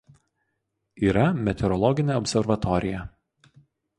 Yra meteorologinė observatorija.